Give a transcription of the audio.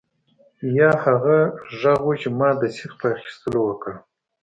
یا هغه غږ و چې ما د سیخ په اخیستلو وکړ